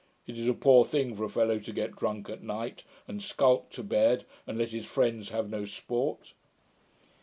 It is a poor thing for a fellow to get drunk at night, and sculk to bed, and let his friends have no sport.'